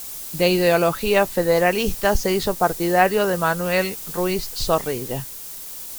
De ideología federalista, se hizo partidario de Manuel Ruiz Zorrilla.